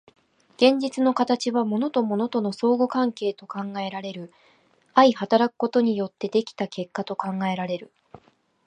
現実の形は物と物との相互関係と考えられる、相働くことによって出来た結果と考えられる。